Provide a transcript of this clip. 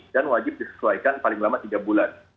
dan wajib disesuaikan paling lama tiga bulan